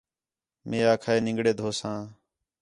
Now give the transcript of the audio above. مئے آکھا ہے نِنگڑے دھوساں